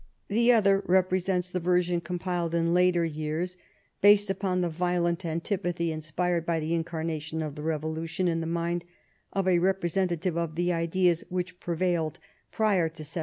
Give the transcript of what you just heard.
The other represents the version compiled in later years, based upon the violent antipathy inspired by the incarnation of the Revolution in the mind of a representative of the ideas which prevailed prior to 1789.